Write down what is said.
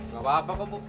gak apa apa kok bu